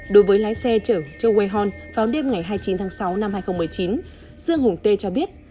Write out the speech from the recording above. đối với lái xe chở cho quê hon vào đêm ngày hai mươi chín tháng sáu năm hai nghìn một mươi chín dương hùng tê cho biết